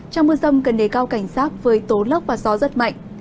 trong mưa rông cần đề cao cảnh sát với tố lốc và gió rất mạnh